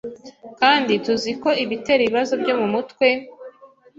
kandi tuzi ko ibitera ibibazo byo mu mutwe